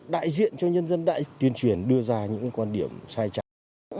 đại diện cho nhân dân đại tuyên truyền đưa ra những quan điểm sai trạng